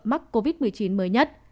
mắc covid một mươi chín mới nhất